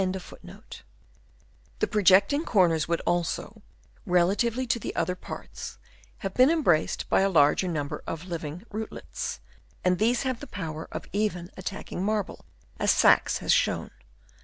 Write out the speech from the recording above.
* The projecting corners would also, relatively to the other parts, have been embraced by a larger num ber of living rootlets ; and these have the power of even attacking marble, as Sachs has shown.